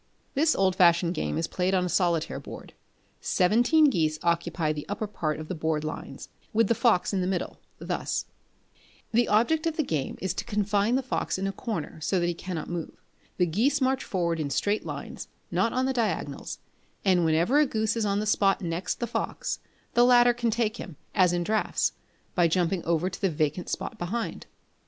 This old fashioned game is played on a solitaire board. Seventeen geese occupy the upper part of the board lines, with the fox in the middle, thus: o o o ||| o o o ||| o o o o o o o ||||||| o o + F + o o |||||||+++++++|||+++|||+++ The object of the game is to confine the fox in a corner, so that he cannot move. The geese march forward in straight lines, not on the diagonals; and whenever a goose is on the spot next the fox, the latter can take him, as in draughts, by jumping over to the vacant spot beyond.